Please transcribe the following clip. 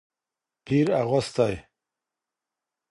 پیر اغوستې